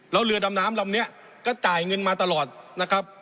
แล้วเรือดำน้ำลำนี้ก็จ่ายเงินมาตลอดนะครับ